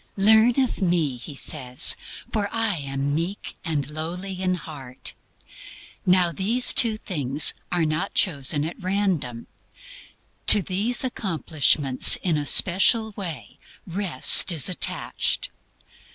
"Learn of me," He says, "for I am meek and lowly in heart." Now these two things are not chosen at random. To these accomplishments, in a special way, Rest is attached.